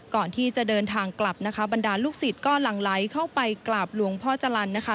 ก่อนที่จะเดินทางกลับนะคะบรรดาลูกศิษย์ก็หลั่งไหลเข้าไปกราบหลวงพ่อจรรย์นะคะ